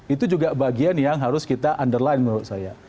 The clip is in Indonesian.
itu juga bagian yang harus kita underline menurut saya